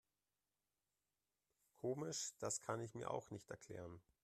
Komisch, das kann ich mir auch nicht erklären.